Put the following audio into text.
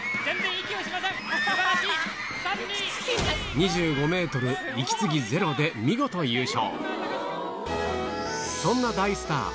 ２５ｍ息継ぎゼロで見事優勝